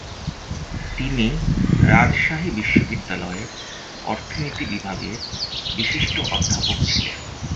তিনি রাজশাহী বিশ্ববিদ্যালয়ের অর্থনীতি বিভাগের বিশিষ্ট অধ্যাপক ছিলেন।